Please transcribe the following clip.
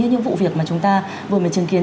những vụ việc mà chúng ta vừa mới chứng kiến